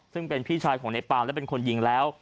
ซึ่งเป็นพี่ชายของในปามและเป็นคนยิงแล้ว